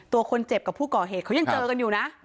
ตัวคนเจ็บกับผู้ก่อเหตุเขายังเจอกันอยู่นะ